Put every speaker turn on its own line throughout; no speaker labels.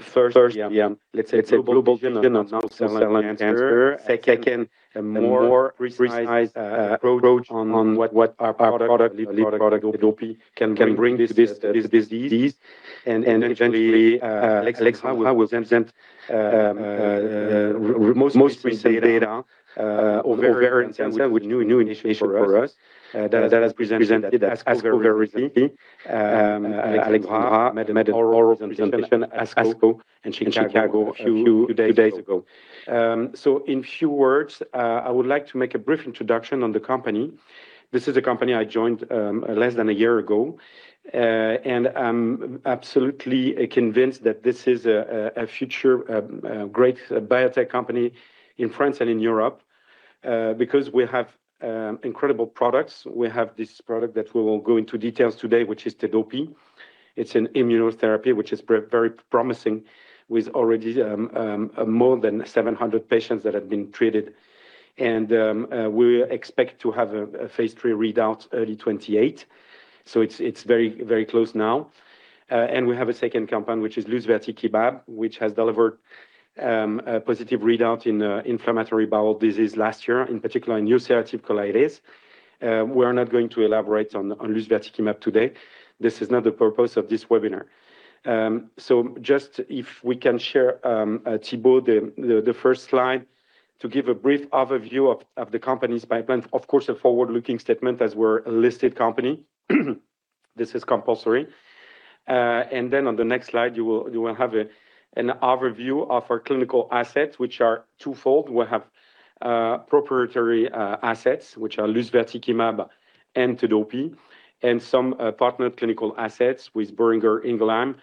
First, global vision on non-small cell lung cancer. Second, a more precise approach on what our lead product, Tedopi, can bring to this disease. Eventually, Alexandra will present the most recent data, ovarian cancer, with new initiation for us that was presented at ASCO very recently. Alexandra made an oral presentation at ASCO in Chicago a few days ago. In a few words, I would like to make a brief introduction on the company. This is a company I joined less than a year ago. I am absolutely convinced that this is a future great biotech company in France and in Europe, because we have incredible products. We have this product that we will go into details today, which is Tedopi. It is an immunotherapy, which is very promising with already more than 700 patients that have been treated. We expect to have a phase III readout early 2028. It is very close now. We have a second compound, which is lusvertikimab, which has delivered a positive readout in inflammatory bowel disease last year, in particular in ulcerative colitis. We are not going to elaborate on lusvertikimab today. This is not the purpose of this webinar. If we can share, Thibault, the first slide to give a brief overview of the company's pipeline. Of course, a forward-looking statement as we are a listed company. This is compulsory. On the next slide, you will have an overview of our clinical assets, which are twofold. We have proprietary assets, which are lusvertikimab and Tedopi, and some partnered clinical assets with Boehringer Ingelheim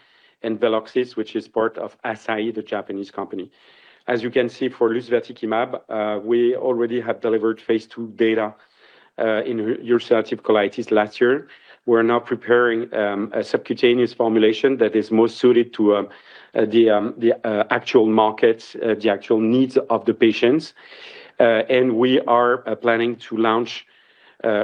and Veloxis, which is part of Eisai, the Japanese company. As you can see, for lusvertikimab, we already have delivered phase II data in ulcerative colitis last year. We are now preparing a subcutaneous formulation that is more suited to the actual market, the actual needs of the patients. We are planning to launch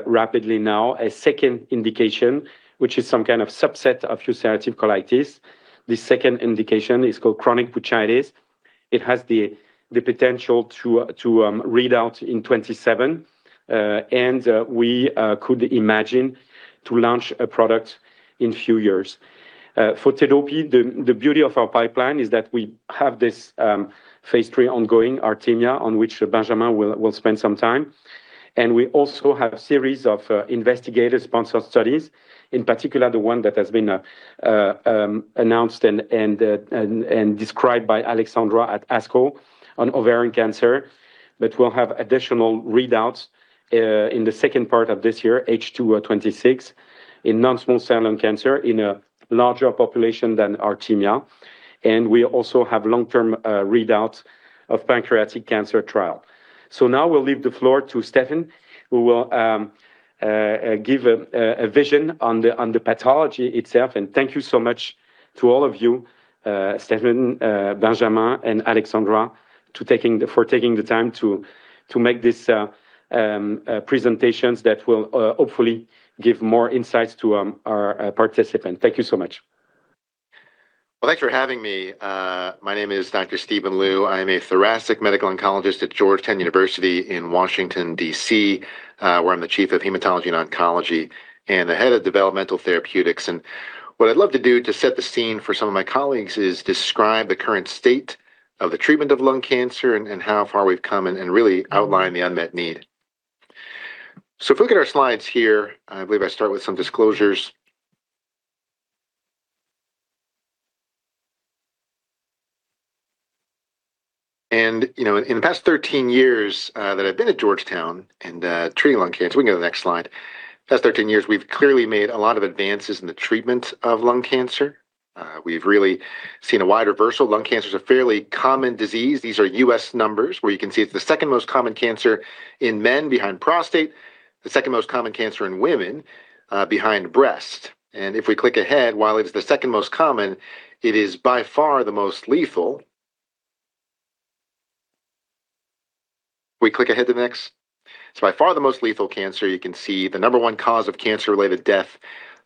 rapidly now a second indication, which is some kind of subset of ulcerative colitis. The second indication is called chronic pouchitis. It has the potential to readout in 2027. We could imagine to launch a product in a few years. For Tedopi, the beauty of our pipeline is that we have this phase III ongoing ARTEMIA, on which Benjamin will spend some time. We also have a series of investigator-sponsored studies, in particular, the one that has been announced and described by Alexandra at ASCO on ovarian cancer. We will have additional readouts in the second part of this year, H2 of 2026, in non-small cell lung cancer in a larger population than ARTEMIA. We also have long-term readouts of pancreatic cancer trial. We will leave the floor to Stephen, who will give a vision on the pathology itself. Thank you so much to all of you, Stephen, Benjamin, and Alexandra, for taking the time to make these presentations that will hopefully give more insights to our participants. Thank you so much.
Well, thanks for having me. My name is Dr. Stephen Liu. I am a thoracic medical oncologist at Georgetown University in Washington, D.C., where I'm the Chief of Hematology and Oncology and the Head of Developmental Therapeutics. What I'd love to do to set the scene for some of my colleagues is describe the current state of the treatment of lung cancer and how far we've come and really outline the unmet need. If we look at our slides here, I believe I start with some disclosures. In the past 13 years that I've been at Georgetown and treating lung cancer. We can go to the next slide. Past 13 years, we've clearly made a lot of advances in the treatment of lung cancer. We've really seen a wide reversal. Lung cancer is a fairly common disease. These are U.S. numbers, where you can see it's the second most common cancer in men behind prostate, the second most common cancer in women behind breast. If we click ahead, while it is the second most common, it is by far the most lethal. We click ahead to next. It's by far the most lethal cancer. You can see the number one cause of cancer-related death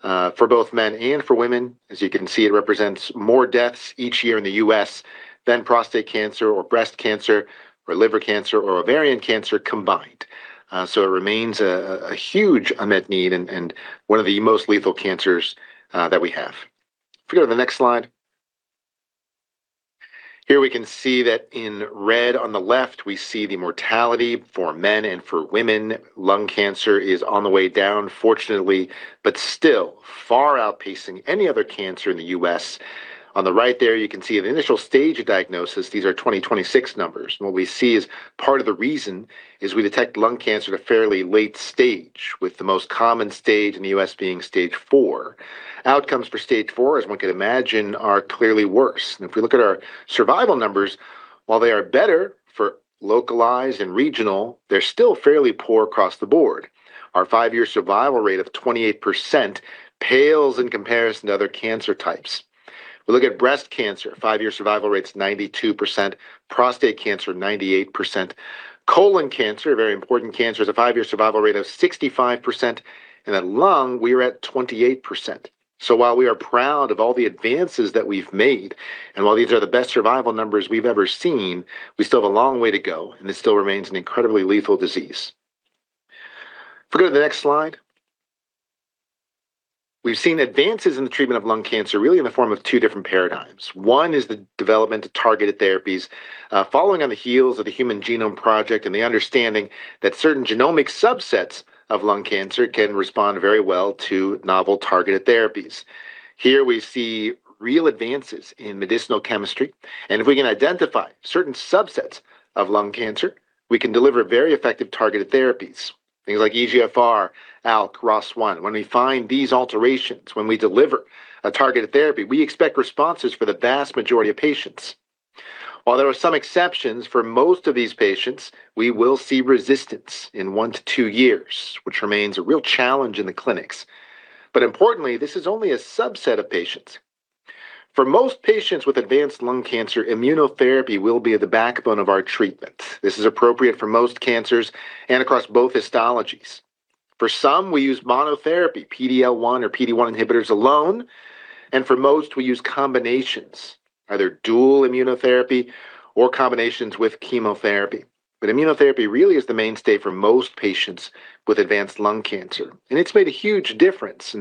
for both men and for women. As you can see, it represents more deaths each year in the U.S. than prostate cancer or breast cancer or liver cancer or ovarian cancer combined. It remains a huge unmet need and one of the most lethal cancers that we have. If we go to the next slide. Here we can see that in red on the left, we see the mortality for men and for women. Lung cancer is on the way down, fortunately, but still far outpacing any other cancer in the U.S. On the right there, you can see the initial stage of diagnosis. These are 2026 numbers. What we see as part of the reason is we detect lung cancer at a fairly late stage, with the most common stage in the U.S. being stage IV. Outcomes for stage IV, as one could imagine, are clearly worse. If we look at our survival numbers, while they are better for localized and regional, they're still fairly poor across the board. Our five-year survival rate of 28% pales in comparison to other cancer types. We look at breast cancer, five-year survival rate's 92%, prostate cancer, 98%. Colon cancer, a very important cancer, has a five-year survival rate of 65%, and at lung, we are at 28%. While we are proud of all the advances that we've made, and while these are the best survival numbers we've ever seen, we still have a long way to go, and this still remains an incredibly lethal disease. If we go to the next slide. We've seen advances in the treatment of lung cancer really in the form of two different paradigms. One is the development of targeted therapies following on the heels of the Human Genome Project, and the understanding that certain genomic subsets of lung cancer can respond very well to novel targeted therapies. Here we see real advances in medicinal chemistry, and if we can identify certain subsets of lung cancer, we can deliver very effective targeted therapies. Things like EGFR, ALK, ROS1. When we find these alterations, when we deliver a targeted therapy, we expect responses for the vast majority of patients. While there are some exceptions, for most of these patients, we will see resistance in one to two years, which remains a real challenge in the clinics. Importantly, this is only a subset of patients. For most patients with advanced lung cancer, immunotherapy will be the backbone of our treatment. This is appropriate for most cancers and across both histologies. For some, we use monotherapy, PD-L1 or PD-1 inhibitors alone, and for most, we use combinations, either dual immunotherapy or combinations with chemotherapy. Immunotherapy really is the mainstay for most patients with advanced lung cancer, and it's made a huge difference.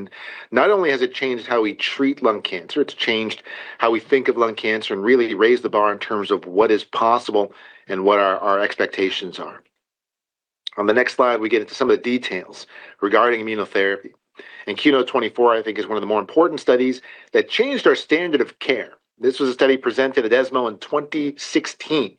Not only has it changed how we treat lung cancer, it's changed how we think of lung cancer and really raised the bar in terms of what is possible and what our expectations are. On the next slide, we get into some of the details regarding immunotherapy. KEYNOTE-024, I think, is one of the more important studies that changed our standard of care. This was a study presented at ESMO in 2016.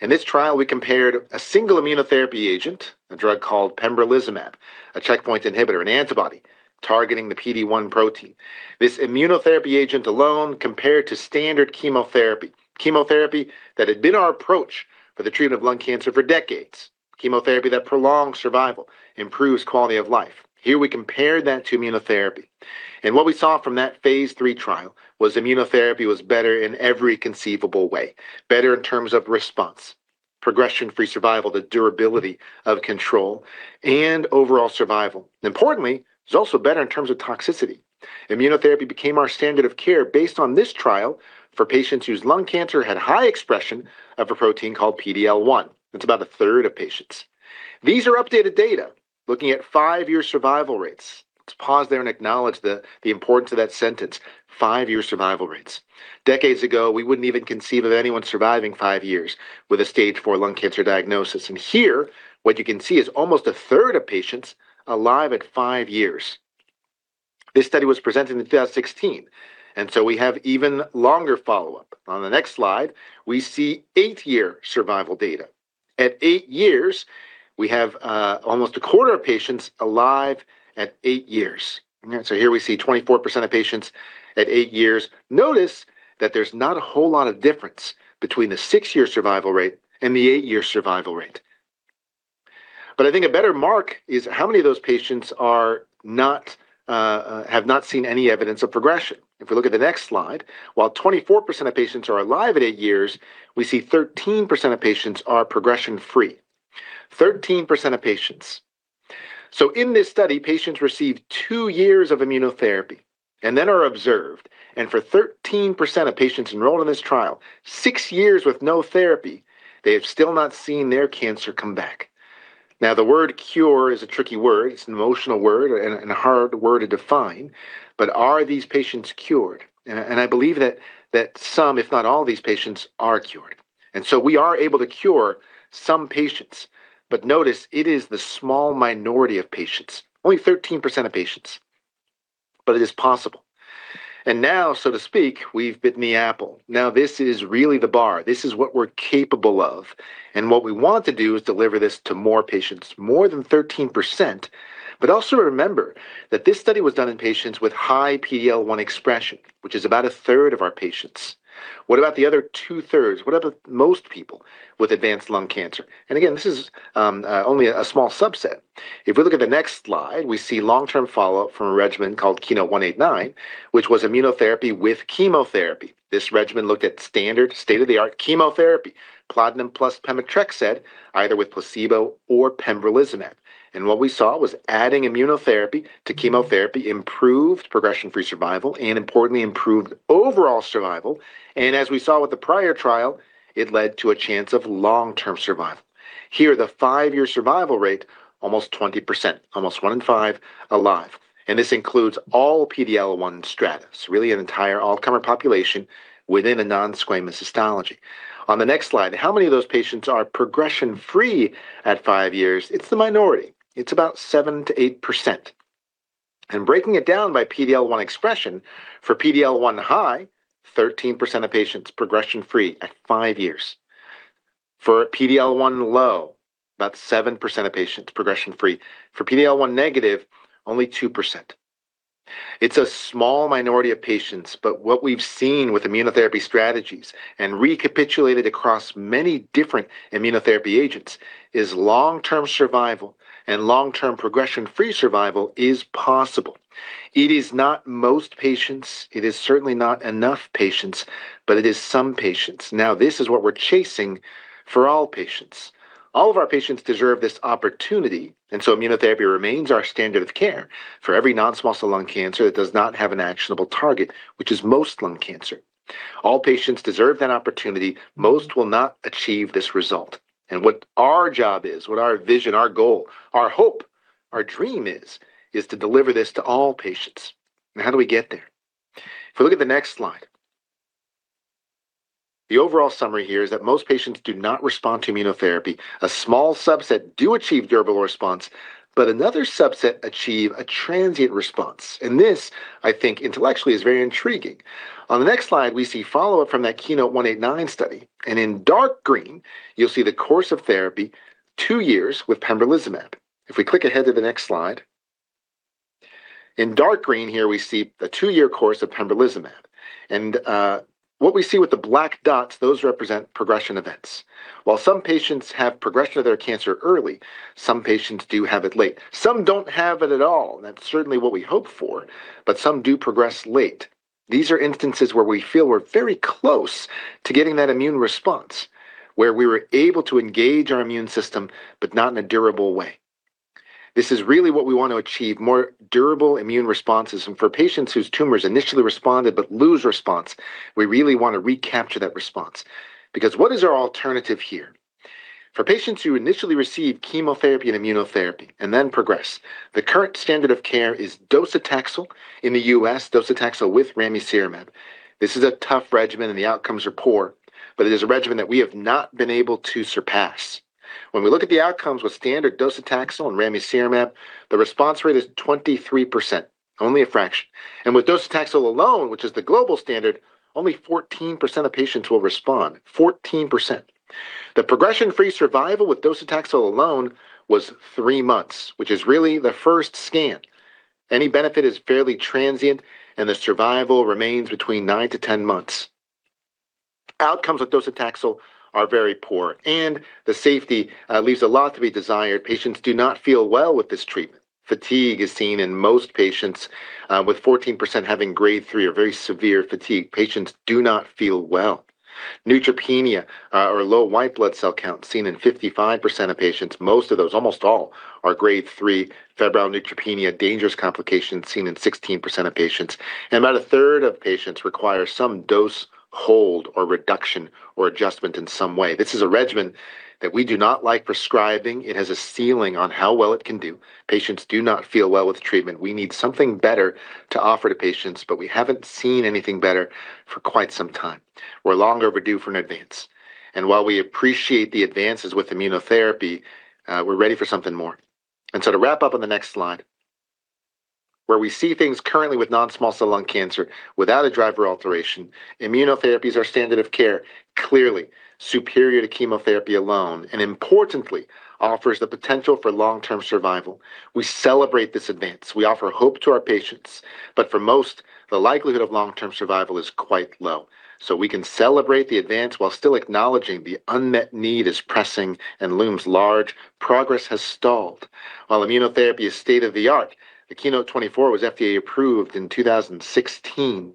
In this trial, we compared a single immunotherapy agent, a drug called pembrolizumab, a checkpoint inhibitor and antibody targeting the PD-1 protein. This immunotherapy agent alone compared to standard chemotherapy. Chemotherapy that had been our approach for the treatment of lung cancer for decades. Chemotherapy that prolongs survival, improves quality of life. Here we compared that to immunotherapy, and what we saw from that phase III trial was immunotherapy was better in every conceivable way. Better in terms of response, progression-free survival, the durability of control, and overall survival. Importantly, it's also better in terms of toxicity. Immunotherapy became our standard of care based on this trial for patients whose lung cancer had high expression of a protein called PD-L1. That's about a third of patients. These are updated data looking at five-year survival rates. Let's pause there and acknowledge the importance of that sentence, five-year survival rates. Decades ago, we wouldn't even conceive of anyone surviving five years with a stage 4 lung cancer diagnosis. Here, what you can see is almost a third of patients alive at five years. This study was presented in 2016, and so we have even longer follow-up. On the next slide, we see eight-year survival data. At eight years, we have almost a quarter of patients alive at eight years. Here we see 24% of patients at eight years. Notice that there's not a whole lot of difference between the six-year survival rate and the eight-year survival rate. I think a better mark is how many of those patients have not seen any evidence of progression. If we look at the next slide, while 24% of patients are alive at eight years, we see 13% of patients are progression-free. 13% of patients. In this study, patients received two years of immunotherapy and then are observed, and for 13% of patients enrolled in this trial, six years with no therapy, they have still not seen their cancer come back. The word cure is a tricky word. It's an emotional word and a hard word to define, but are these patients cured? I believe that some, if not all of these patients are cured. We are able to cure some patients, but notice it is the small minority of patients, only 13% of patients, but it is possible. Now, so to speak, we've bitten the apple. This is really the bar. This is what we're capable of, and what we want to do is deliver this to more patients, more than 13%. Also remember that this study was done in patients with high PD-L1 expression, which is about a third of our patients. What about the other two thirds? What about most people with advanced lung cancer? Again, this is only a small subset. If we look at the next slide, we see long-term follow-up from a regimen called KEYNOTE-189, which was immunotherapy with chemotherapy. This regimen looked at standard state-of-the-art chemotherapy, platinum plus pemetrexed, either with placebo or pembrolizumab. What we saw was adding immunotherapy to chemotherapy improved progression-free survival, and importantly improved overall survival. As we saw with the prior trial, it led to a chance of long-term survival. Here, the five-year survival rate, almost 20%, almost one in five alive, and this includes all PD-L1 strata, really an entire all-comer population within a non-squamous histology. On the next slide, how many of those patients are progression-free at five years? It's the minority. It's about 7%-8%. Breaking it down by PD-L1 expression, for PD-L1 high, 13% of patients progression-free at five years. For PD-L1 low, about 7% of patients progression-free. For PD-L1 negative, only 2%. It's a small minority of patients, but what we've seen with immunotherapy strategies and recapitulated across many different immunotherapy agents is long-term survival and long-term progression-free survival is possible. It is not most patients, it is certainly not enough patients, but it is some patients. This is what we're chasing for all patients. All of our patients deserve this opportunity, so immunotherapy remains our standard of care for every non-small cell lung cancer that does not have an actionable target, which is most lung cancer. All patients deserve that opportunity. Most will not achieve this result. What our job is, what our vision, our goal, our hope, our dream is to deliver this to all patients. How do we get there? If we look at the next slide, the overall summary here is that most patients do not respond to immunotherapy. A small subset do achieve durable response, but another subset achieve a transient response. This, I think, intellectually is very intriguing. On the next slide, we see follow-up from that KEYNOTE-189 study, and in dark green you'll see the course of therapy two years with pembrolizumab. If we click ahead to the next slide, in dark green here we see the two-year course of pembrolizumab. What we see with the black dots, those represent progression events. While some patients have progression of their cancer early, some patients do have it late. Some don't have it at all, and that's certainly what we hope for, but some do progress late. These are instances where we feel we're very close to getting that immune response, where we were able to engage our immune system, but not in a durable way. This is really what we want to achieve, more durable immune responses. For patients whose tumors initially responded but lose response, we really want to recapture that response. Because what is our alternative here? For patients who initially receive chemotherapy and immunotherapy and then progress, the current standard of care is docetaxel in the U.S., docetaxel with ramucirumab. This is a tough regimen and the outcomes are poor, but it is a regimen that we have not been able to surpass. When we look at the outcomes with standard docetaxel and ramucirumab, the response rate is 23%, only a fraction. With docetaxel alone, which is the global standard, only 14% of patients will respond. 14%. The progression-free survival with docetaxel alone was three months, which is really the first scan. Any benefit is fairly transient and the survival remains between 9 to 10 months. Outcomes with docetaxel are very poor and the safety leaves a lot to be desired. Patients do not feel well with this treatment. Fatigue is seen in most patients, with 14% having grade 3 or very severe fatigue. Patients do not feel well. Neutropenia, or low white blood cell count, seen in 55% of patients. Most of those, almost all, are grade 3 febrile neutropenia, dangerous complications seen in 16% of patients. About a third of patients require some dose hold or reduction or adjustment in some way. This is a regimen that we do not like prescribing. It has a ceiling on how well it can do. Patients do not feel well with the treatment. We need something better to offer to patients, but we haven't seen anything better for quite some time. We're long overdue for an advance. While we appreciate the advances with immunotherapy, we're ready for something more. To wrap up on the next slide, where we see things currently with non-small cell lung cancer without a driver alteration, immunotherapy is our standard of care, clearly superior to chemotherapy alone, and importantly offers the potential for long-term survival. We celebrate this advance. We offer hope to our patients. For most, the likelihood of long-term survival is quite low. We can celebrate the advance while still acknowledging the unmet need is pressing and looms large. Progress has stalled. While immunotherapy is state-of-the-art, the KEYNOTE-024 was FDA approved in 2016,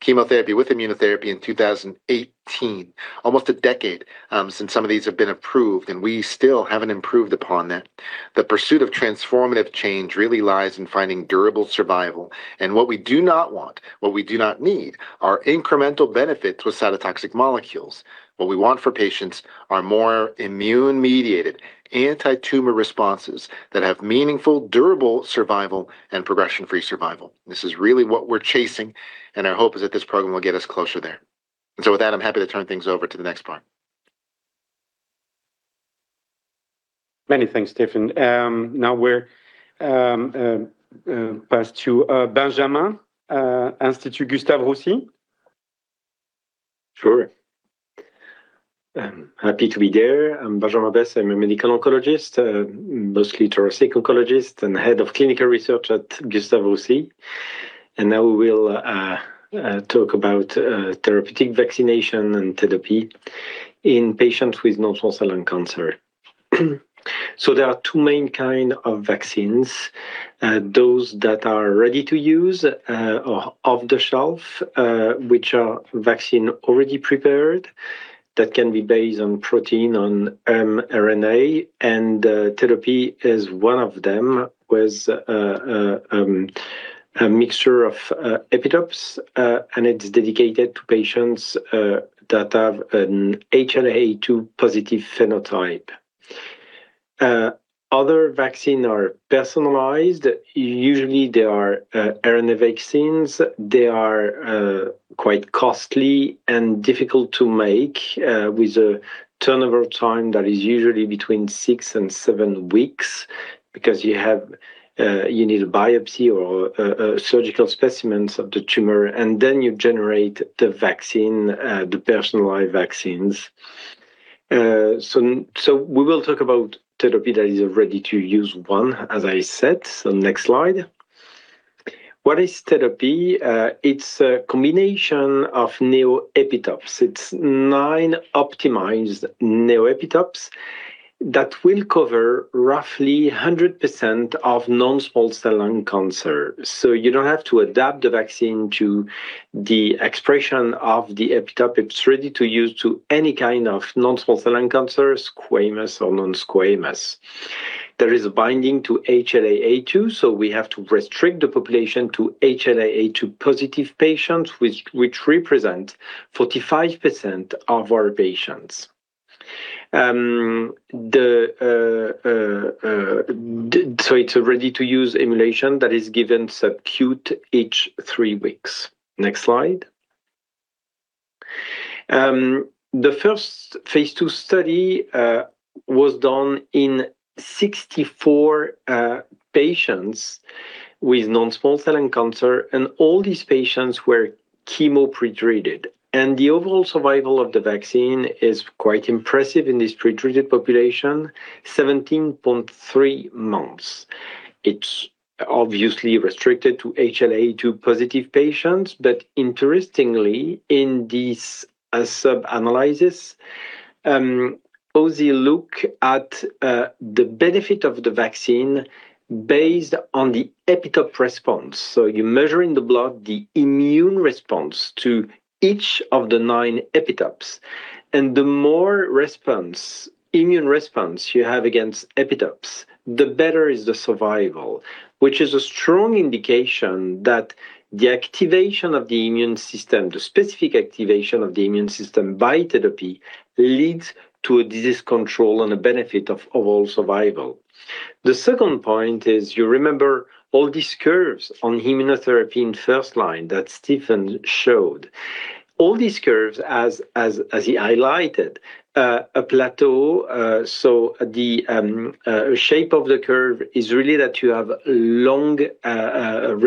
chemotherapy with immunotherapy in 2018. Almost a decade since some of these have been approved, we still haven't improved upon that. The pursuit of transformative change really lies in finding durable survival. What we do not want, what we do not need, are incremental benefits with cytotoxic molecules. What we want for patients are more immune-mediated anti-tumor responses that have meaningful, durable survival and progression-free survival. This is really what we're chasing, and our hope is that this program will get us closer there. With that, I'm happy to turn things over to the next part.
Many thanks, Stephen. Now we'll pass to Benjamin, Institut Gustave Roussy.
Sure. Happy to be there. I'm Benjamin Besse. I'm a medical oncologist, mostly thoracic oncologist and Head of Clinical Research at Gustave Roussy. Now we will talk about therapeutic vaccination and Tedopi in patients with non-small cell lung cancer. There are two main kind of vaccines. Those that are ready to use or off-the-shelf, which are vaccine already prepared that can be based on protein, on mRNA, and Tedopi is one of them, with a mixture of neoepitopes, and it's dedicated to patients that have an HLA-A2 positive phenotype. Other vaccine are personalized. Usually they are mRNA vaccines. They are quite costly and difficult to make, with a turnover time that is usually between six and seven weeks because you need a biopsy or surgical specimens of the tumor and then you generate the vaccine, the personalized vaccines. We will talk about Tedopi that is a ready-to-use one, as I said. Next slide. What is Tedopi? It's a combination of neoepitopes. It's nine optimized neoepitopes that will cover roughly 100% of non-small cell lung cancer. You don't have to adapt the vaccine to the expression of the neoepitope. It's ready to use to any kind of non-small cell lung cancer, squamous or non-squamous. There is a binding to HLA-A*02, so we have to restrict the population to HLA-A*02 positive patients, which represent 45% of our patients. It's a ready-to-use emulsion that is given subcut each three weeks. Next slide. The first phase II study was done in 64 patients with non-small cell lung cancer, and all these patients were chemo-pre-treated. The overall survival of the vaccine is quite impressive in this pre-treated population, 17.3 months. It's obviously restricted to HLA-A*02 positive patients. Interestingly, in this sub-analysis, OSE look at the benefit of the vaccine based on the neoepitope response. You measure in the blood the immune response to each of the nine neoepitopes. The more immune response you have against neoepitopes, the better is the survival, which is a strong indication that the activation of the immune system, the specific activation of the immune system by Tedopi, leads to a disease control and a benefit of overall survival. The second point is, you remember all these curves on immunotherapy in first-line that Stephen showed. All these curves, as he highlighted, a plateau. The shape of the curve is really that you have long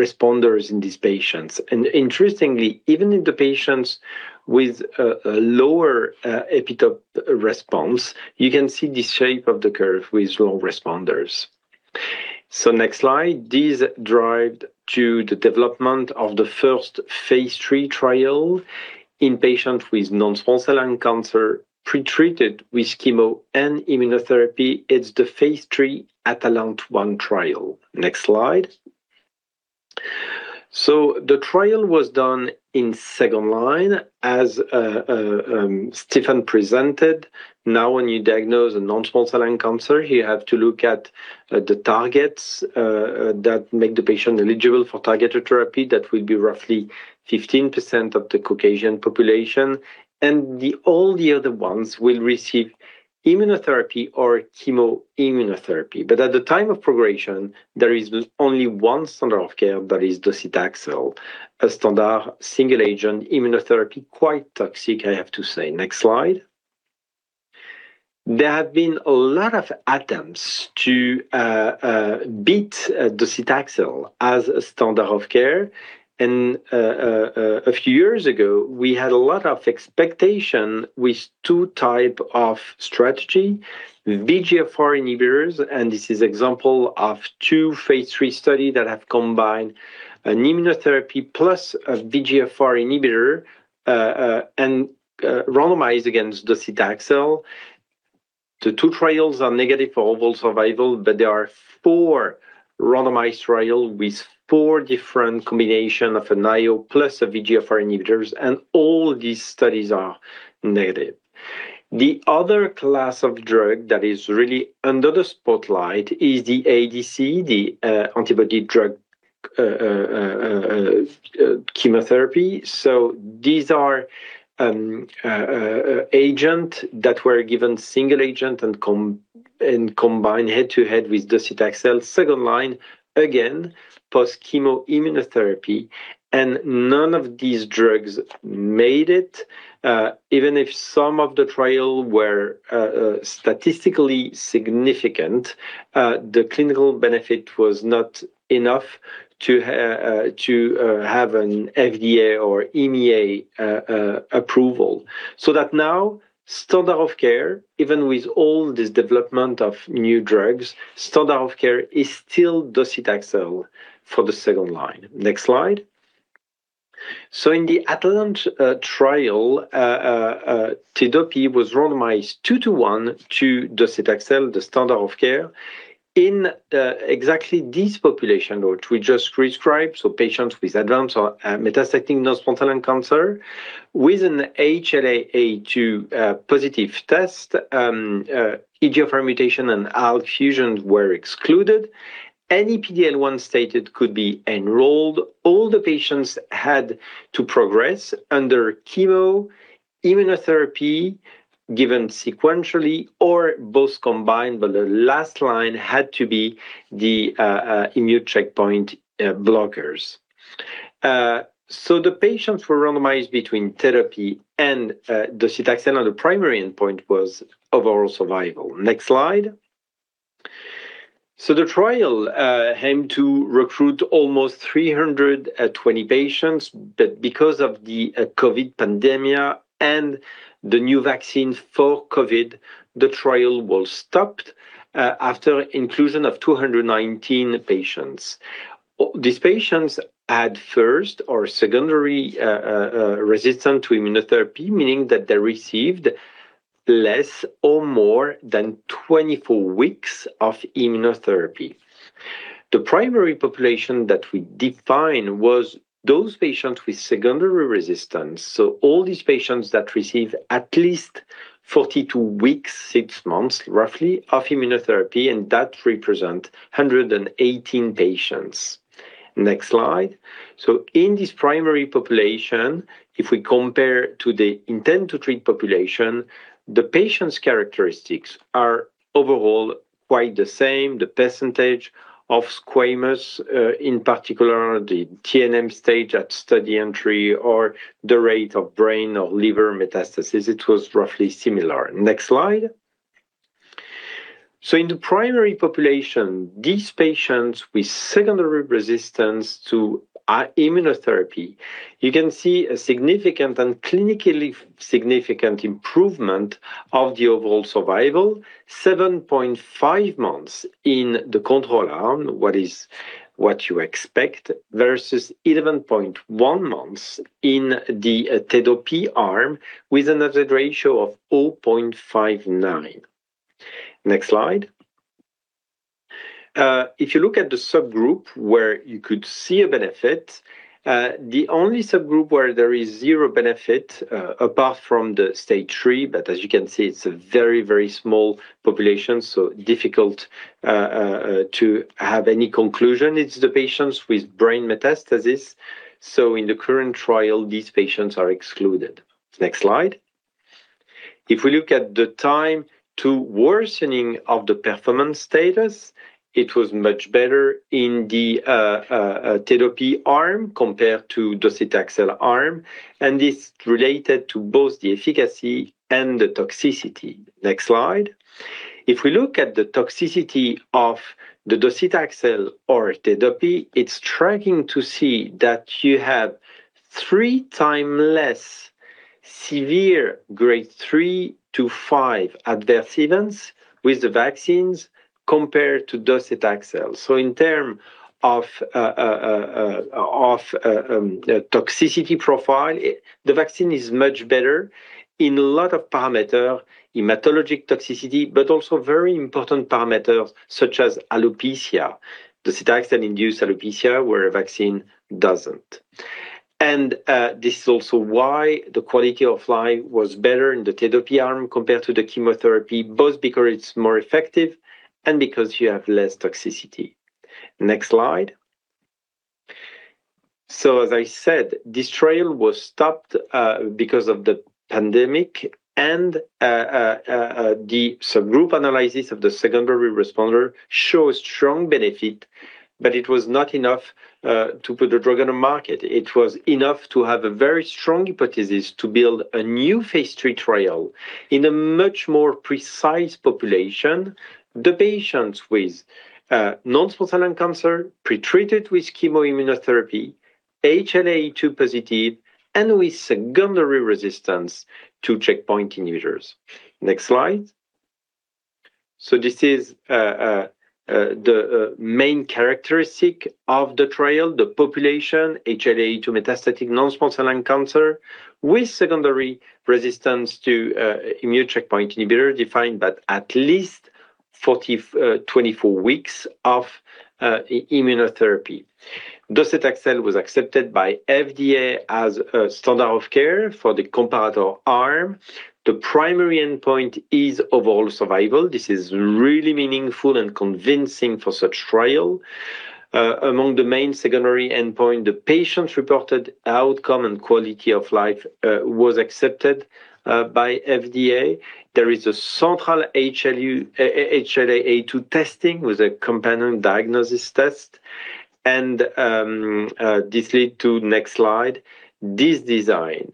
responders in these patients. Interestingly, even in the patients with a lower neoepitope response, you can see the shape of the curve with low responders. Next slide. These drove to the development of the first phase III trial in patients with non-small cell lung cancer, pre-treated with chemo and immunotherapy. It's the phase III ATALANTE-1 trial. Next slide. The trial was done in second line, as Stephen presented. When you diagnose a non-small cell lung cancer, you have to look at the targets that make the patient eligible for targeted therapy. That will be roughly 15% of the Caucasian population. All the other ones will receive immunotherapy or chemoimmunotherapy. At the time of progression, there is only one standard of care, that is docetaxel, a standard single-agent immunotherapy. Quite toxic, I have to say. Next slide. There have been a lot of attempts to beat docetaxel as a standard of care. A few years ago, we had a lot of expectation with two type of strategy, VEGF-R inhibitors, and this is example of two phase III study that have combined an immunotherapy plus a VEGF-R inhibitor and randomized against docetaxel. The two trials are negative for overall survival, but there are four randomized trial with four different combination of anti-IO plus a VEGF-R inhibitors, and all these studies are negative. The other class of drug that is really under the spotlight is the ADC, the antibody-drug conjugate. These are agent that were given single agent and combined head-to-head with docetaxel second line, again, post chemoimmunotherapy, none of these drugs made it. Even if some of the trial were statistically significant, the clinical benefit was not enough to have an FDA or EMA approval. That now standard of care, even with all this development of new drugs, standard of care is still docetaxel for the second line. Next slide. In the ATALANTE trial, Tedopi was randomized 2:1 to docetaxel, the standard of care, in exactly this population, which we just described. Patients with advanced or metastatic non-small cell lung cancer with an HLA-A*02 positive test. EGFR mutation and ALK fusions were excluded. Any PD-L1 status could be enrolled. All the patients had to progress under chemoimmunotherapy given sequentially or both combined, but the last line had to be the immune checkpoint blockers. The patients were randomized between Tedopi and docetaxel, and the primary endpoint was overall survival. Next slide. The trial aimed to recruit almost 320 patients, but because of the COVID pandemic and the new vaccine for COVID, the trial was stopped after inclusion of 219 patients. These patients had first or secondary resistance to immunotherapy, meaning that they received less or more than 24 weeks of immunotherapy. The primary population that we define was those patients with secondary resistance. All these patients that receive at least 42 weeks, six months roughly, of immunotherapy, and that represents 118 patients. Next slide. In this primary population, if we compare to the intent-to-treat population, the patients' characteristics are overall quite the same. The percentage of squamous, in particular the TNM stage at study entry, or the rate of brain or liver metastasis. It was roughly similar. Next slide. In the primary population, these patients with secondary resistance to immunotherapy, you can see a significant and clinically significant improvement of the overall survival. 7.5 months in the control arm, what you expect, versus 11.1 months in the Tedopi arm, with a hazard ratio of 0.59. Next slide. If you look at the subgroup where you could see a benefit, the only subgroup where there is zero benefit, apart from the stage 3, but as you can see it's a very small population, difficult to have any conclusion, it's the patients with brain metastasis. In the current trial, these patients are excluded. Next slide. If we look at the time to worsening of the performance status, it was much better in the Tedopi arm compared to docetaxel arm, and it's related to both the efficacy and the toxicity. Next slide. If we look at the toxicity of the docetaxel or Tedopi, it's striking to see that you have three times less severe grade 3 to 5 adverse events with the vaccines compared to docetaxel. In term of toxicity profile, the vaccine is much better in a lot of parameter, hematologic toxicity, but also very important parameters such as alopecia. Docetaxel induce alopecia where a vaccine doesn't. This is also why the quality of life was better in the Tedopi arm compared to the chemotherapy, both because it's more effective and because you have less toxicity. Next slide. As I said, this trial was stopped because of the pandemic and the subgroup analysis of the secondary responder shows strong benefit, but it was not enough to put the drug on the market. It was enough to have a very strong hypothesis to build a new phase III trial in a much more precise population. The patients with non-small cell lung cancer pretreated with chemoimmunotherapy, HLA-A2 positive, and with secondary resistance to checkpoint inhibitors. Next slide. This is the main characteristic of the trial, the population, HLA-A2 metastatic non-small cell lung cancer with secondary resistance to immune checkpoint inhibitor defined by at least 24 weeks of immunotherapy. Docetaxel was accepted by FDA as a standard of care for the comparator arm. The primary endpoint is overall survival. This is really meaningful and convincing for such trial. Among the main secondary endpoint, the patients reported outcome and quality of life was accepted by FDA. There is a central HLA-A2 testing with a companion diagnosis test, and this lead to, next slide, this design.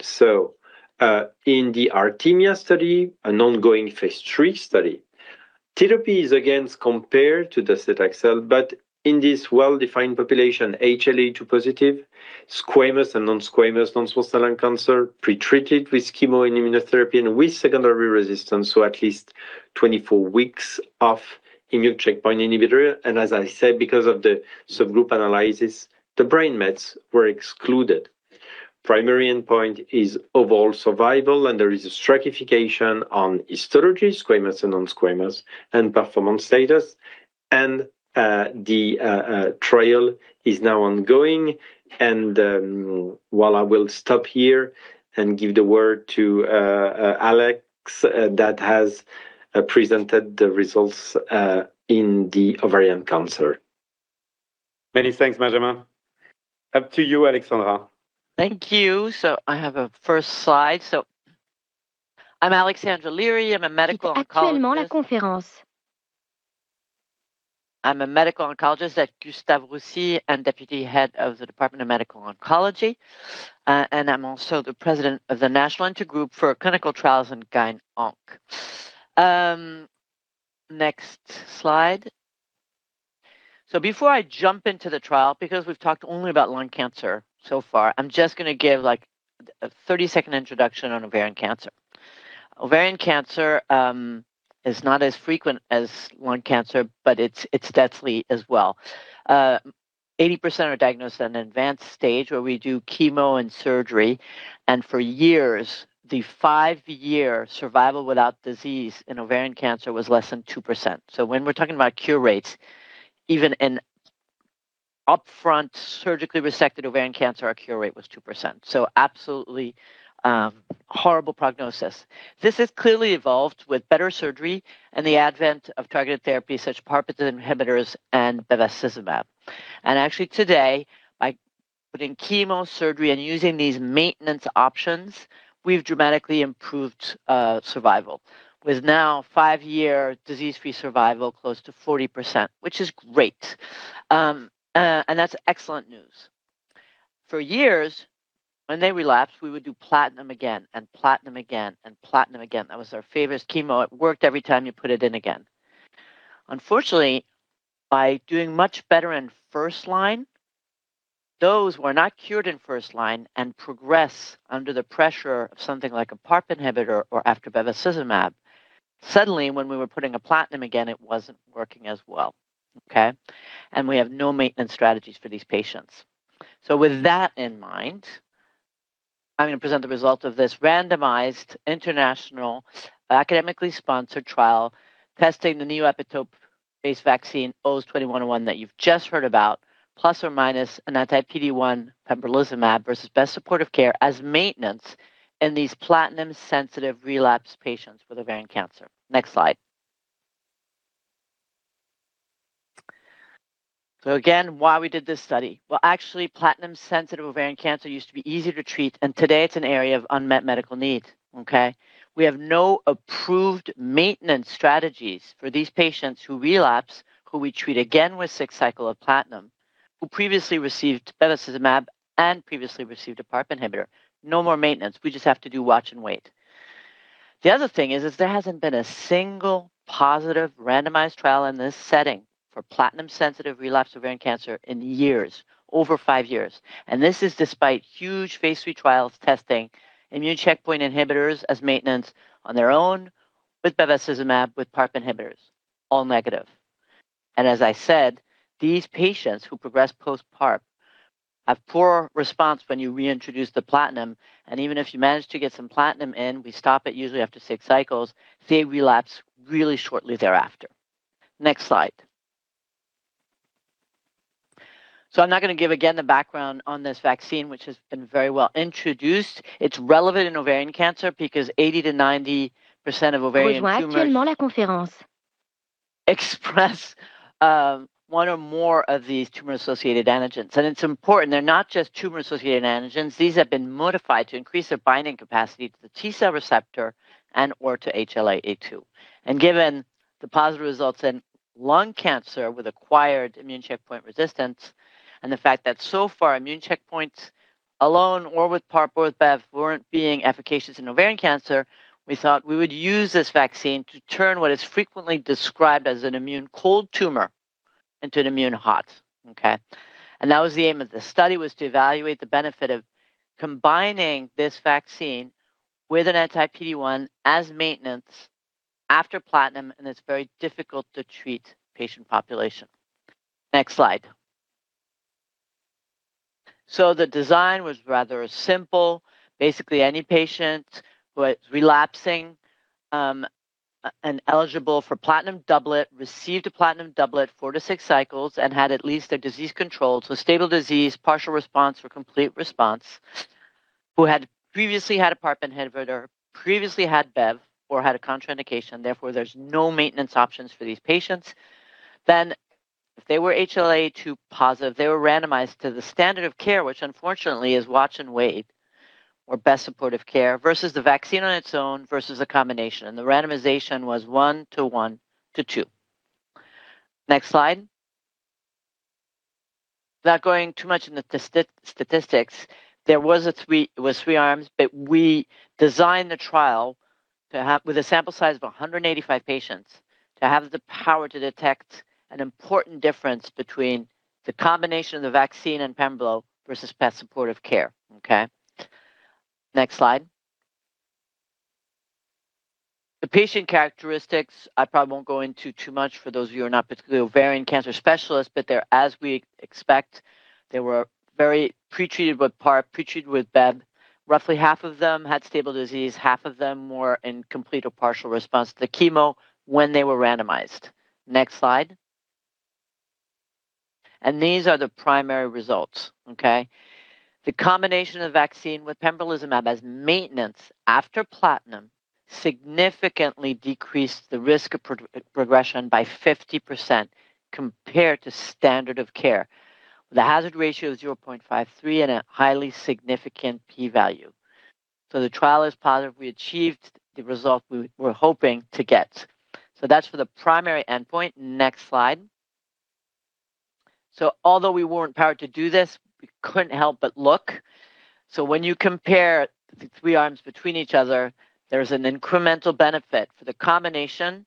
In the ARTEMIA study, an ongoing phase III study, Tedopi is against compared to docetaxel, but in this well-defined population, HLA-A2 positive, squamous and non-squamous non-small cell lung cancer pretreated with chemo and immunotherapy and with secondary resistance, so at least 24 weeks of immune checkpoint inhibitor. As I said, because of the subgroup analysis, the brain mets were excluded. Primary endpoint is overall survival, and there is a stratification on histology, squamous and non-squamous, and performance status. The trial is now ongoing. While I will stop here and give the word to Alex that has presented the results in the ovarian cancer.
Many thanks, Benjamin. Up to you, Alexandra.
Thank you. I have a first slide. I'm Alexandra Leary. I'm a medical oncologist at Gustave Roussy and Deputy Head of the Department of Medical Oncology, and I'm also the President of the National Intergroup for Clinical Trials in Gyn Onc. Next slide. Before I jump into the trial, because we've talked only about lung cancer so far, I'm just going to give a 30-second introduction on ovarian cancer. Ovarian cancer is not as frequent as lung cancer, but it's deadly as well. 80% are diagnosed at an advanced stage where we do chemo and surgery, and for years, the five-year survival without disease in ovarian cancer was less than 2%. When we're talking about cure rates, even in upfront surgically resected ovarian cancer, our cure rate was 2%. Absolutely horrible prognosis. This has clearly evolved with better surgery and the advent of targeted therapy such as PARP inhibitors and bevacizumab. Actually today, by putting chemo, surgery, and using these maintenance options, we've dramatically improved survival, with now five-year disease-free survival close to 40%, which is great. That's excellent news. For years, when they relapsed, we would do platinum again and platinum again and platinum again. That was our favorite chemo. It worked every time you put it in again. Unfortunately, by doing much better in first line, those who are not cured in first line and progress under the pressure of something like a PARP inhibitor or after bevacizumab, suddenly when we were putting a platinum again, it wasn't working as well. Okay? We have no maintenance strategies for these patients. With that in mind, I'm going to present the result of this randomized, international, academically sponsored trial testing the neoepitope-based vaccine OSE2101 that you've just heard about, plus or minus an anti-PD-1 pembrolizumab versus best supportive care as maintenance in these platinum-sensitive relapse patients with ovarian cancer. Next slide. Again, why we did this study. Actually, platinum-sensitive ovarian cancer used to be easy to treat, and today it's an area of unmet medical need. Okay? We have no approved maintenance strategies for these patients who relapse, who we treat again with six cycle of platinum, who previously received bevacizumab and previously received a PARP inhibitor. No more maintenance. We just have to do watch and wait. The other thing is there hasn't been a single positive randomized trial in this setting for platinum-sensitive relapse ovarian cancer in years, over five years. This is despite huge phase III trials testing immune checkpoint inhibitors as maintenance on their own with bevacizumab, with PARP inhibitors. All negative. As I said, these patients who progress post-PARP have poor response when you reintroduce the platinum. Even if you manage to get some platinum in, we stop it usually after six cycles, they relapse really shortly thereafter. Next slide. I'm not going to give again the background on this vaccine, which has been very well introduced. It's relevant in ovarian cancer because 80%-90% of ovarian tumors express one or more of these tumor-associated antigens. It's important, they're not just tumor-associated antigens. These have been modified to increase their binding capacity to the T cell receptor and/or to HLA-A2. Given the positive results in lung cancer with acquired immune checkpoint resistance and the fact that so far immune checkpoints alone or with PARP or with bev weren't being efficacious in ovarian cancer, we thought we would use this vaccine to turn what is frequently described as an immune cold tumor into an immune hot. Okay. That was the aim of this study, was to evaluate the benefit of combining this vaccine with an anti-PD-1 as maintenance after platinum in this very difficult-to-treat patient population. Next slide. The design was rather simple. Basically, any patient who was relapsing and eligible for platinum doublet received a platinum doublet, four to six cycles, and had at least their disease controlled. Stable disease, partial response or complete response, who had previously had a PARP inhibitor, previously had bev or had a contraindication. Therefore, there's no maintenance options for these patients. If they were HLA-A2 positive, they were randomized to the standard of care, which unfortunately is watch and wait or best supportive care versus the vaccine on its own versus a combination. The randomization was 1:1:2. Next slide. Without going too much into the statistics, it was three arms, but we designed the trial with a sample size of 185 patients to have the power to detect an important difference between the combination of the vaccine and pembro versus best supportive care. Okay. Next slide. The patient characteristics I probably won't go into too much for those of you who are not ovarian cancer specialists, but they're as we expect. They were very pretreated with PARP, pretreated with bev. Roughly half of them had stable disease, half of them were in complete or partial response to the chemo when they were randomized. Next slide. These are the primary results. Okay. The combination of vaccine with pembrolizumab as maintenance after platinum significantly decreased the risk of progression by 50% compared to standard of care. The hazard ratio is 0.53 and a highly significant P value. The trial is positive. We achieved the result we were hoping to get. That's for the primary endpoint. Next slide. Although we weren't powered to do this, we couldn't help but look. When you compare the three arms between each other, there's an incremental benefit for the combination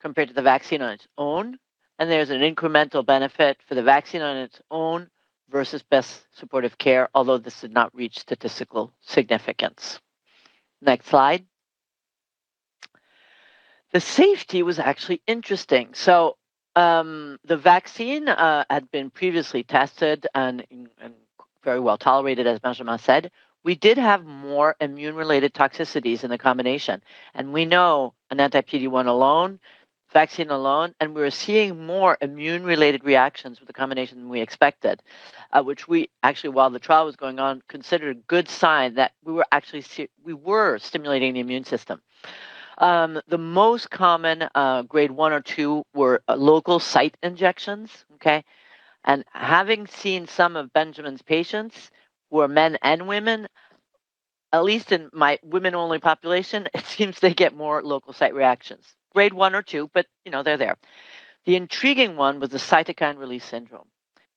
compared to the vaccine on its own, and there's an incremental benefit for the vaccine on its own versus best supportive care, although this did not reach statistical significance. Next slide. The safety was actually interesting. The vaccine had been previously tested and very well tolerated, as Benjamin said. We did have more immune-related toxicities in the combination. We know an anti-PD-1 alone, vaccine alone, and we were seeing more immune-related reactions with the combination than we expected, which we actually, while the trial was going on, considered a good sign that we were stimulating the immune system. The most common, grade 1 or 2, were local site injections. Okay? Having seen some of Benjamin's patients, who were men and women, at least in my women-only population, it seems they get more local site reactions. Grade 1 or 2, but they're there. The intriguing one was the cytokine release syndrome.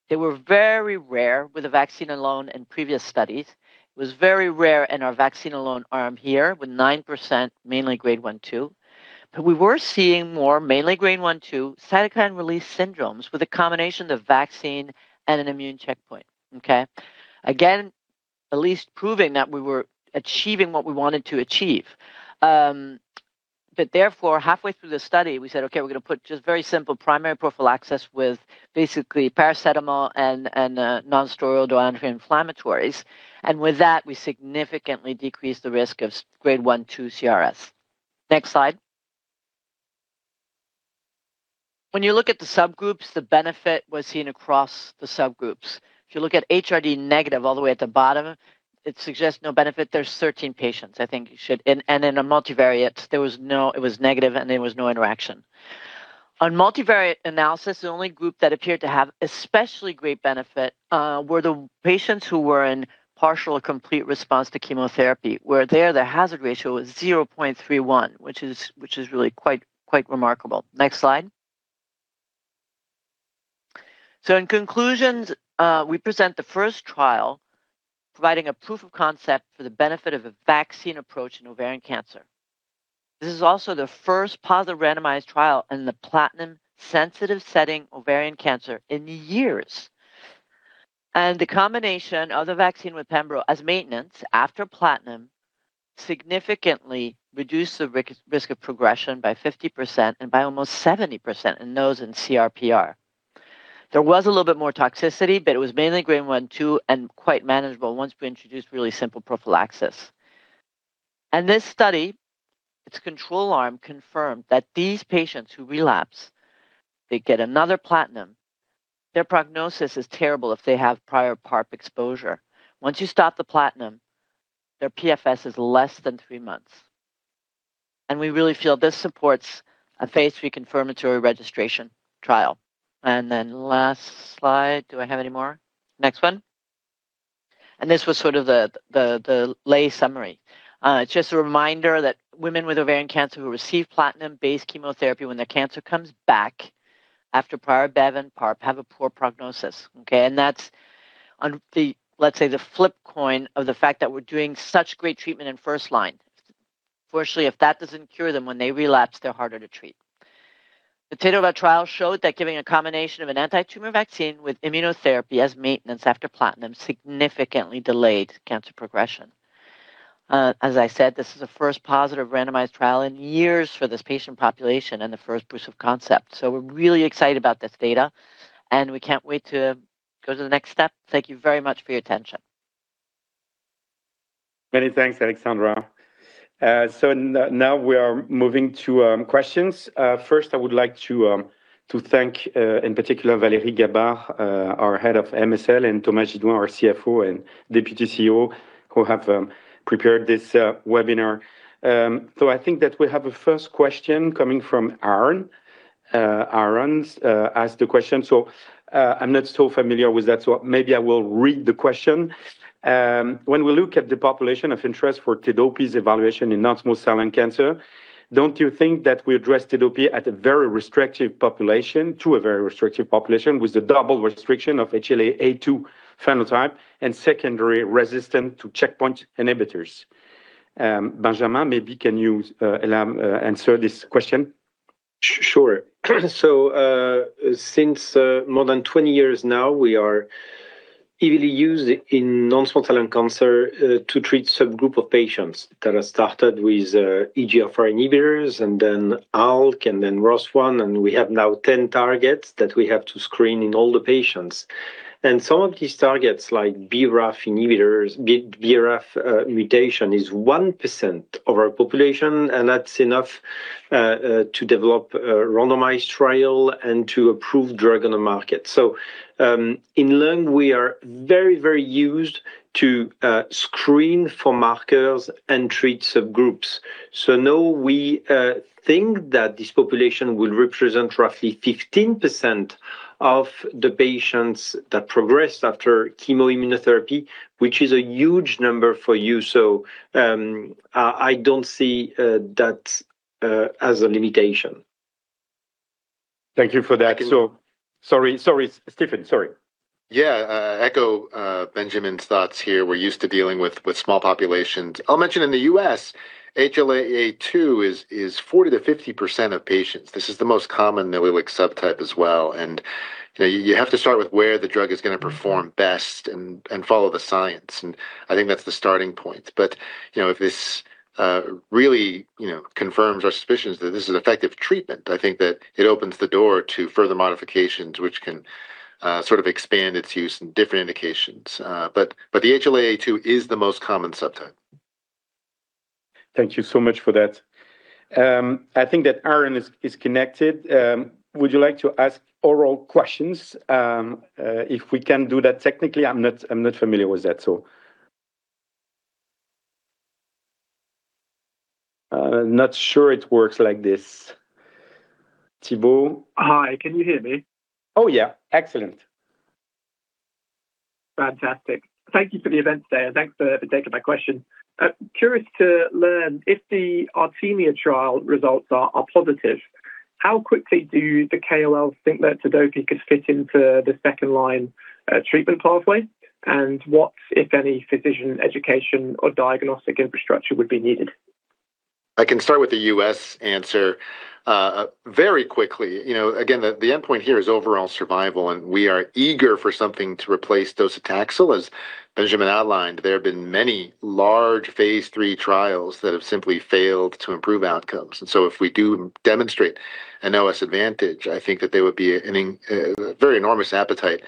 They were very rare with the vaccine alone in previous studies. It was very rare in our vaccine-alone arm here, with 9%, mainly grade 1/2. We were seeing more, mainly grade 1/2, cytokine release syndromes with a combination of vaccine and an immune checkpoint. Okay? Again, at least proving that we were achieving what we wanted to achieve. Therefore, halfway through the study, we said, "Okay, we're going to put just very simple primary prophylaxis with basically paracetamol and non-steroidal anti-inflammatories." With that, we significantly decreased the risk of grade 1/2 CRS. Next slide. When you look at the subgroups, the benefit was seen across the subgroups. If you look at HRD negative all the way at the bottom, it suggests no benefit. There's 13 patients, I think it should. In a multivariate, it was negative and there was no interaction. On multivariate analysis, the only group that appeared to have especially great benefit were the patients who were in partial or complete response to chemotherapy, where there, the hazard ratio was 0.31, which is really quite remarkable. Next slide. In conclusions, we present the first trial providing a proof of concept for the benefit of a vaccine approach in ovarian cancer. This is also the first positive randomized trial in the platinum-sensitive setting ovarian cancer in years. The combination of the vaccine with pembro as maintenance after platinum significantly reduced the risk of progression by 50% and by almost 70% in those in CR PR. There was a little bit more toxicity, but it was mainly grade 1/2 and quite manageable once we introduced really simple prophylaxis. This study, its control arm confirmed that these patients who relapse, they get another platinum. Their prognosis is terrible if they have prior PARP exposure. Once you stop the platinum, their PFS is less than three months. We really feel this supports a phase III confirmatory registration trial. Last slide. Do I have any more? Next one. This was sort of the lay summary. Just a reminder that women with ovarian cancer who receive platinum-based chemotherapy when their cancer comes back after prior bev and PARP have a poor prognosis. Okay? That's on, let's say, the flip coin of the fact that we're doing such great treatment in first-line. Unfortunately, if that doesn't cure them, when they relapse, they're harder to treat. The Tedopi trial showed that giving a combination of an anti-tumor vaccine with immunotherapy as maintenance after platinum significantly delayed cancer progression. As I said, this is the first positive randomized trial in years for this patient population and the first proof of concept. We're really excited about this data, and we can't wait to go to the next step. Thank you very much for your attention.
Many thanks, Alexandra. Now we are moving to questions. First I would like to thank, in particular, Valérie Gabard, our Head of MSL, and Thomas Gidoin, our CFO and Deputy CEO, who have prepared this webinar. I think that we have a first question coming from Aaron. Aaron asked the question. I'm not so familiar with that, so maybe I will read the question. When we look at the population of interest for Tedopi's evaluation in non-small cell lung cancer, don't you think that we address Tedopi to a very restrictive population with the double restriction of HLA-A02 phenotype and secondary resistant to checkpoint inhibitors? Benjamin, maybe can you answer this question?
Sure. Since more than 20 years now, we are heavily used in non-small cell lung cancer to treat subgroup of patients that are started with EGFR inhibitors and then ALK and then ROS1, and we have now 10 targets that we have to screen in all the patients. Some of these targets, like BRAF mutation, is 1% of our population, and that's enough to develop a randomized trial and to approve drug on the market. In lung, we are very used to screen for markers and treat subgroups. No, we think that this population will represent roughly 15% of the patients that progress after chemoimmunotherapy, which is a huge number for you. I don't see that as a limitation.
Thank you for that. Sorry, Stephen. Sorry.
Yeah. Echo Benjamin's thoughts here. We're used to dealing with small populations. I'll mention in the U.S., HLA-A*02 is 40%-50% of patients. This is the most common that we would subtype as well. You have to start with where the drug is going to perform best and follow the science, and I think that's the starting point. If this really confirms our suspicions that this is an effective treatment. I think that it opens the door to further modifications, which can expand its use in different indications. The HLA-A*02 is the most common subtype.
Thank you so much for that. I think that Aaron is connected. Would you like to ask oral questions, if we can do that technically? I'm not familiar with that. I'm not sure it works like this. Thibault?
Hi, can you hear me?
Yeah. Excellent.
Fantastic. Thank you for the event today, thanks for taking my question. Curious to learn if the ARTEMIA trial results are positive, how quickly do the KOL think that Tedopi could fit into the second-line treatment pathway? What, if any, physician education or diagnostic infrastructure would be needed?
I can start with the U.S. answer. Very quickly, again, the endpoint here is overall survival, we are eager for something to replace docetaxel. As Benjamin outlined, there have been many large phase III trials that have simply failed to improve outcomes. If we do demonstrate an OS advantage, I think that there would be a very enormous appetite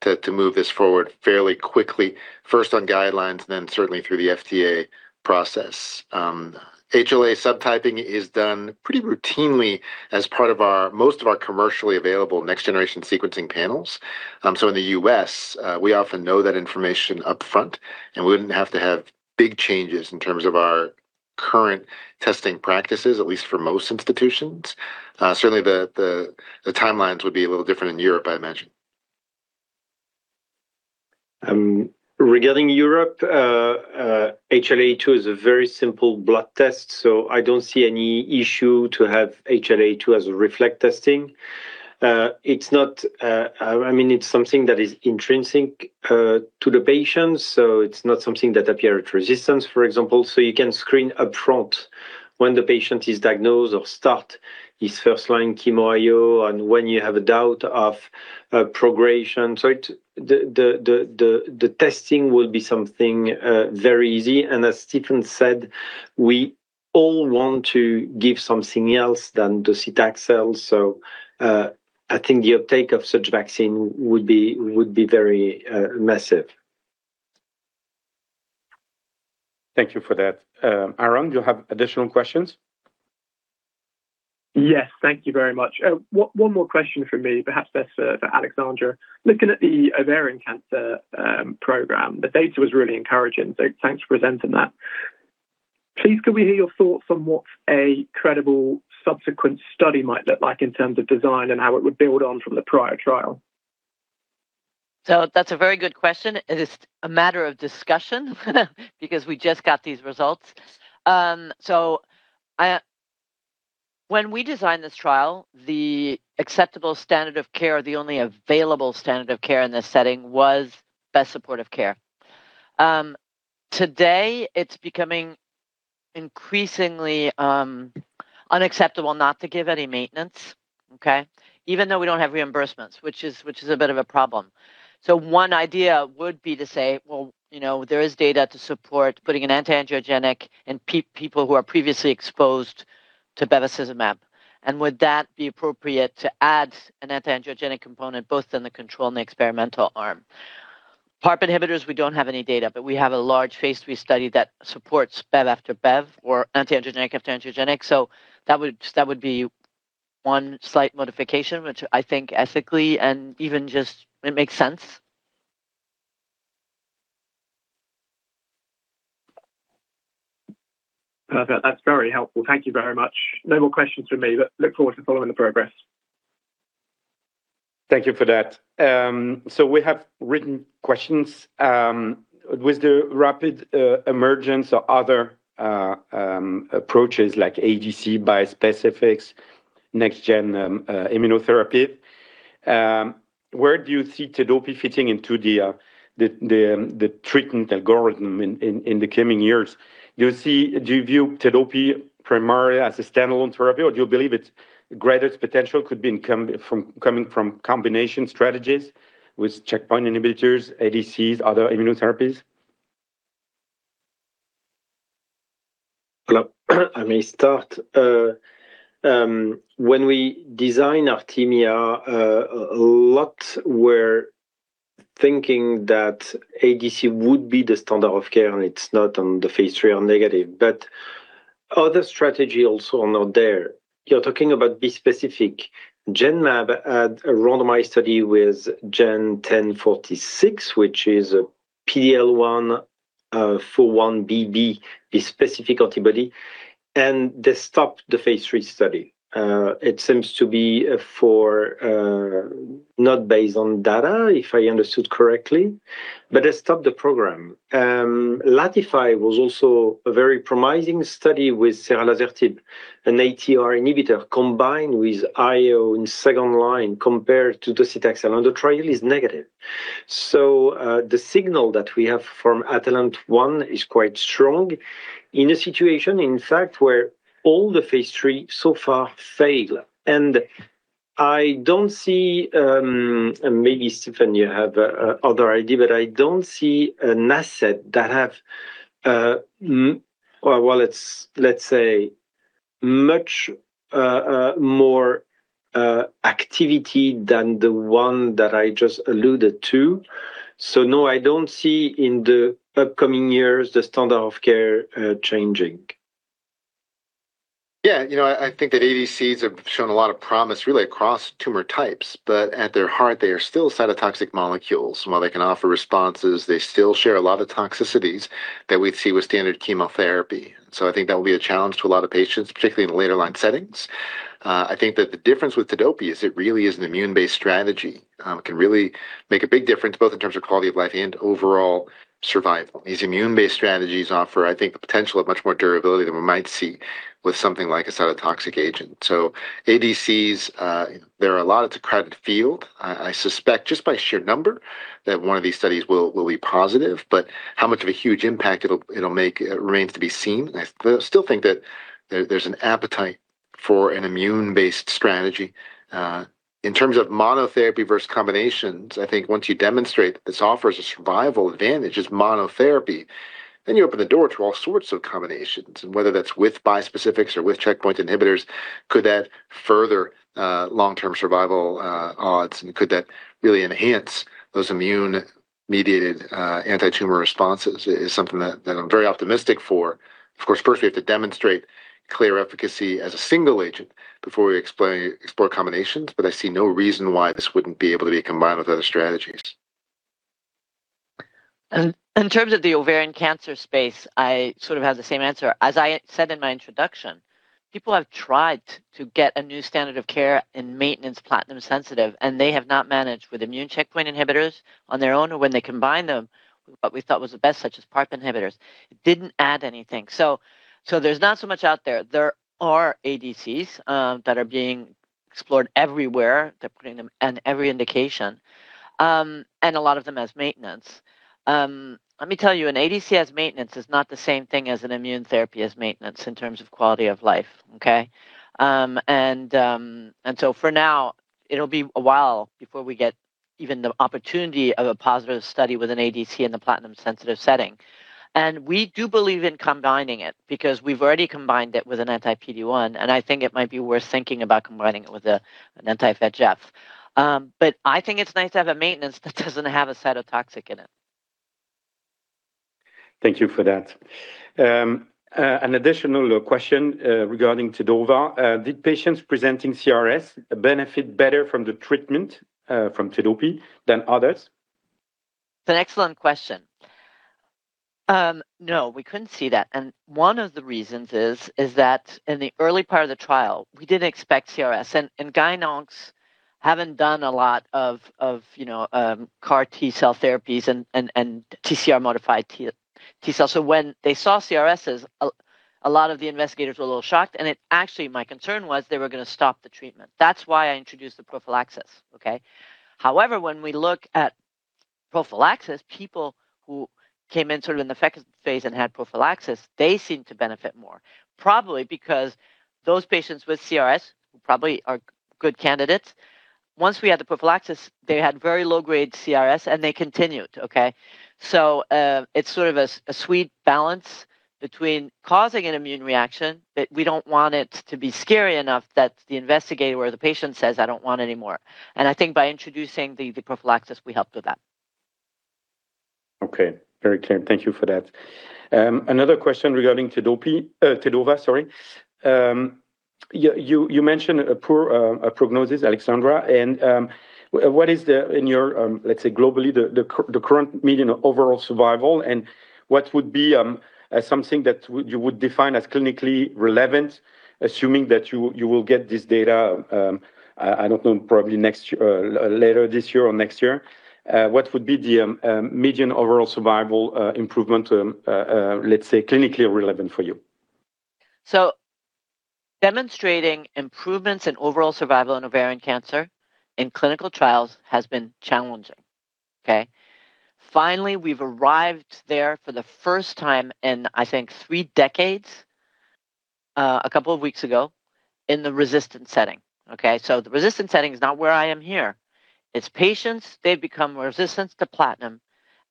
to move this forward fairly quickly. First on guidelines, then certainly through the FDA process. HLA subtyping is done pretty routinely as part of most of our commercially available next-generation sequencing panels. In the U.S., we often know that information up front, we wouldn't have to have big changes in terms of our current testing practices, at least for most institutions. The timelines would be a little different in Europe, I imagine.
Regarding Europe, HLA-A*02 is a very simple blood test, I don't see any issue to have HLA-A*02 as a reflex testing. It's something that is intrinsic to the patient, it's not something that appears with resistance, for example. You can screen up front when the patient is diagnosed or start his first-line chemo IO and when you have a doubt of progression. The testing will be something very easy. As Stephen said, we all want to give something else than docetaxel. I think the uptake of such vaccine would be very massive.
Thank you for that. Aaron, do you have additional questions?
Yes, thank you very much. One more question from me, perhaps that's for Alexandra. Looking at the ovarian cancer program, the data was really encouraging, so thanks for presenting that. Please, could we hear your thoughts on what a credible subsequent study might look like in terms of design and how it would build on from the prior trial?
That's a very good question. It is a matter of discussion because we just got these results. When we designed this trial, the acceptable standard of care, the only available standard of care in this setting was best supportive care. Today, it's becoming increasingly unacceptable not to give any maintenance, okay? Even though we don't have reimbursements, which is a bit of a problem. One idea would be to say, well, there is data to support putting an anti-angiogenic in people who are previously exposed to bevacizumab. And would that be appropriate to add an anti-angiogenic component both in the control and the experimental arm? PARP inhibitors, we don't have any data, but we have a large phase III study that supports bev after bev or anti-angiogenic after anti-angiogenic. That would be one slight modification, which I think ethically and even just it makes sense.
Perfect. That's very helpful. Thank you very much. No more questions from me, but look forward to following the progress.
Thank you for that. We have written questions. With the rapid emergence of other approaches like ADCs bispecifics, next-gen immunotherapy, where do you see Tedopi fitting into the treatment algorithm in the coming years? Do you view Tedopi primarily as a standalone therapy, or do you believe its greatest potential could be coming from combination strategies with checkpoint inhibitors, ADCs, other immunotherapies?
Hello, I may start. When we design ARTEMIA, a lot were thinking that ADC would be the standard of care, and it's not on the phase III or negative. Other strategy also not there. You're talking about bispecific. Genmab had a randomized study with GEN1046, which is a PD-L1 4-1BB bispecific antibody, and they stopped the phase III study. It seems to be not based on data, if I understood correctly, but they stopped the program. LATIFY was also a very promising study with ceralasertib, an ATR inhibitor combined with IO in second-line compared to docetaxel, and the trial is negative. The signal that we have from ATALANTE-1 is quite strong in a situation, in fact, where all the phase III so far fail. I don't see, and maybe Stephen, you have other idea, but I don't see an asset that have, well, let's say much more activity than the one that I just alluded to. No, I don't see in the upcoming years the standard of care changing.
Yeah. I think that ADCs have shown a lot of promise, really across tumor types, but at their heart, they are still cytotoxic molecules. While they can offer responses, they still share a lot of toxicities that we see with standard chemotherapy. I think that will be a challenge to a lot of patients, particularly in the later line settings. I think that the difference with Tedopi is it really is an immune-based strategy. It can really make a big difference, both in terms of quality of life and overall survival. These immune-based strategies offer, I think, the potential of much more durability than we might see with something like a cytotoxic agent. ADCs, there are a lot, it's a crowded field. I suspect just by sheer number that one of these studies will be positive. How much of a huge impact it'll make remains to be seen. I still think that there's an appetite for an immune-based strategy. In terms of monotherapy versus combinations, I think once you demonstrate that this offers a survival advantage as monotherapy, you open the door to all sorts of combinations. Whether that's with bispecifics or with checkpoint inhibitors, could that further long-term survival odds and could that really enhance those immune-mediated anti-tumor responses is something that I'm very optimistic for. Of course, first we have to demonstrate clear efficacy as a single agent before we explore combinations. I see no reason why this wouldn't be able to be combined with other strategies.
In terms of the ovarian cancer space, I sort of have the same answer. As I said in my introduction, people have tried to get a new standard of care in maintenance platinum sensitive, and they have not managed with immune checkpoint inhibitors on their own, or when they combine them with what we thought was the best, such as PARP inhibitors. It didn't add anything. There's not so much out there. There are ADCs that are being explored everywhere. They're putting them in every indication, and a lot of them as maintenance. Let me tell you, an ADC as maintenance is not the same thing as an immune therapy as maintenance in terms of quality of life. Okay? For now, it'll be a while before we get even the opportunity of a positive study with an ADC in the platinum sensitive setting. We do believe in combining it because we've already combined it with an anti-PD-1, and I think it might be worth thinking about combining it with an anti-VEGF. I think it's nice to have a maintenance that doesn't have a cytotoxic in it.
Thank you for that. An additional question regarding TEDOVA. Did patients presenting CRS benefit better from the treatment from Tedopi than others?
It's an excellent question. No, we couldn't see that. One of the reasons is that in the early part of the trial, we didn't expect CRS. Gyn oncs haven't done a lot of CAR T-cell therapies and TCR modified T cells. When they saw CRSs, a lot of the investigators were a little shocked, and actually, my concern was they were going to stop the treatment. That's why I introduced the prophylaxis. Okay? However, when we look at prophylaxis, people who came in sort of in the effective phase and had prophylaxis, they seemed to benefit more, probably because those patients with CRS probably are good candidates. Once we had the prophylaxis, they had very low-grade CRS and they continued. Okay? It's sort of a sweet balance between causing an immune reaction, but we don't want it to be scary enough that the investigator or the patient says, "I don't want anymore." I think by introducing the prophylaxis, we helped with that.
Okay. Very clear. Thank you for that. Another question regarding Tedopi, TEDOVA, sorry. You mentioned a poor prognosis, Alexandra, what is the, in your, let's say globally, the current median overall survival and what would be something that you would define as clinically relevant, assuming that you will get this data, I don't know, probably later this year or next year. What would be the median overall survival improvement, let's say, clinically relevant for you?
Demonstrating improvements in overall survival in ovarian cancer in clinical trials has been challenging. Okay? Finally, we've arrived there for the first time in, I think, three decades, a couple of weeks ago in the resistant setting. Okay? The resistant setting is not where I am here. It's patients, they've become resistant to platinum,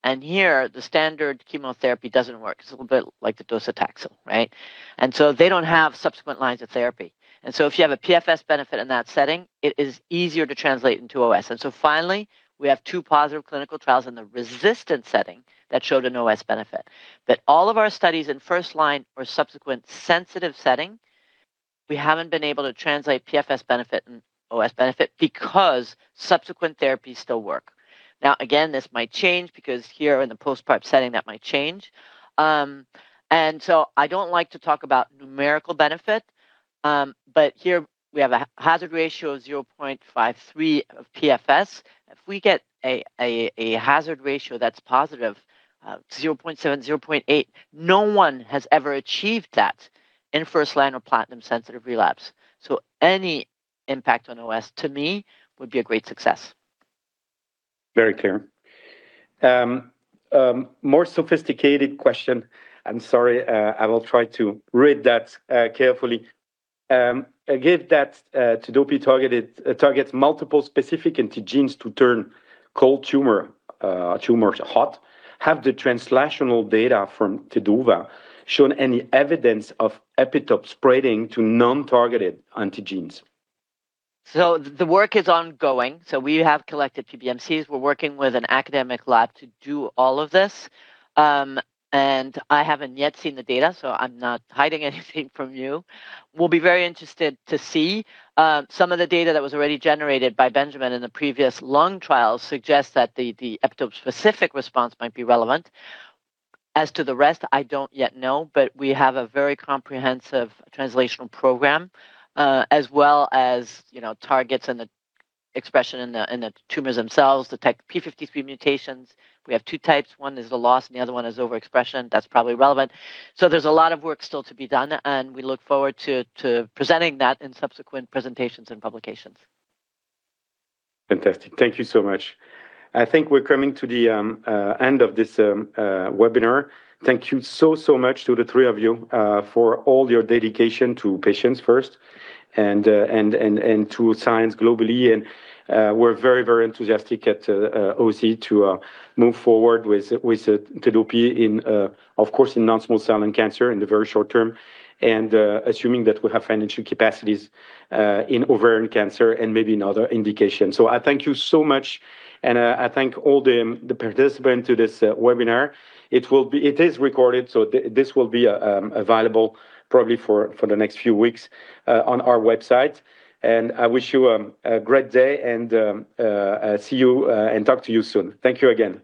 and here the standard chemotherapy doesn't work. It's a little bit like the docetaxel, right? They don't have subsequent lines of therapy. If you have a PFS benefit in that setting, it is easier to translate into OS. Finally, we have two positive clinical trials in the resistant setting that showed an OS benefit. All of our studies in first-line or subsequent sensitive setting, we haven't been able to translate PFS benefit and OS benefit because subsequent therapies still work. Now, again, this might change because here in the post-PARP setting, that might change. I don't like to talk about numerical benefit. Here we have a hazard ratio of 0.53 of PFS. If we get a hazard ratio that's positive, 0.7, 0.8, no one has ever achieved that in first-line or platinum-sensitive relapse. Any impact on OS, to me, would be a great success.
Very clear. More sophisticated question. I'm sorry, I will try to read that carefully. Given that Tedopi targets multiple specific antigens to turn cold tumors hot, have the translational data from TEDOVA shown any evidence of epitope spreading to non-targeted antigens?
The work is ongoing. We have collected PBMCs. We're working with an academic lab to do all of this. I haven't yet seen the data, so I'm not hiding anything from you. We'll be very interested to see some of the data that was already generated by Benjamin in the previous long trial suggests that the epitope-specific response might be relevant. As to the rest, I don't yet know, but we have a very comprehensive translational program, as well as targets and the expression in the tumors themselves, detect P53 mutations. We have two types. One is the loss, and the other one is overexpression. That's probably relevant. There's a lot of work still to be done, and we look forward to presenting that in subsequent presentations and publications.
Fantastic. Thank you so much. I think we're coming to the end of this webinar. Thank you so much to the three of you for all your dedication to patients first and to science globally. We're very, very enthusiastic at OSE to move forward with Tedopi, of course, in non-small cell lung cancer in the very short term, and assuming that we have financial capacities in ovarian cancer and maybe in other indications. I thank you so much, and I thank all the participants to this webinar. It is recorded, so this will be available probably for the next few weeks on our website. I wish you a great day and talk to you soon. Thank you again.